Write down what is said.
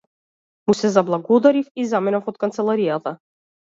Му се заблагодарив и заминав од канцеларијата.